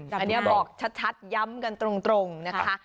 อันนี้บอกชัดย้ำกันตรงนะคะ